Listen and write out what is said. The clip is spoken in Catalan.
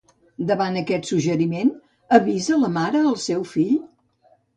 Davant aquest suggeriment, avisa la mare al seu fill?